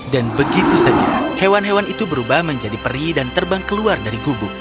dan begitu saja hewan hewan itu berubah menjadi peri dan terbang keluar dari kubu